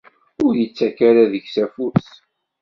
Ur ittak ara deg-s afus.